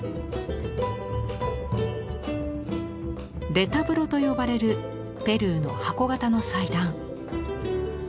レタブロと呼ばれるぺルーの箱型の祭壇。